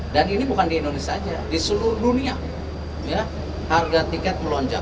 dan ini bukan di indonesia saja di seluruh dunia harga tiket melonjak